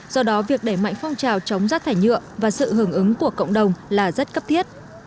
do đó việc để mạnh phong trào chống rác thải nhựa và sự hưởng ứng của cộng đồng là rất cấp thiết